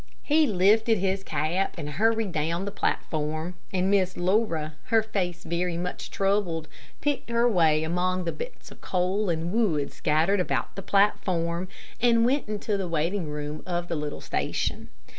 He lifted his cap and hurried down the platform, and Miss Laura, her face very much troubled, picked her way among the bits of coal and wood scattered about the platform, and went into the waiting room of the little station.